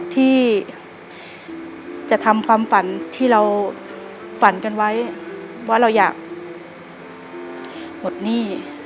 ที่จะทำความฝันที่เราฝันกันไว้ว่าเราอยากหมดหนี้